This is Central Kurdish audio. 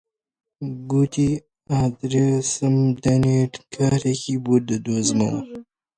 گوتی: ئاردێسم دەنێ کارێکی بۆ دەدۆزمەوە